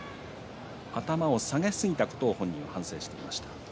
頭を下げすぎたことを本人は反省していました。